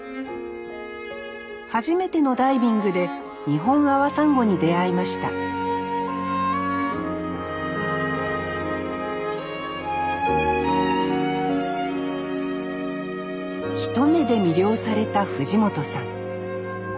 初めてのダイビングでニホンアワサンゴに出会いました一目で魅了された藤本さん。